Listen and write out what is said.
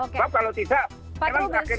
mbak kalau tidak